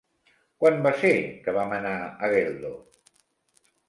Quan va ser que vam anar a Geldo?